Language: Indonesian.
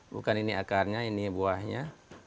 bukan ini akarnya ini buahnya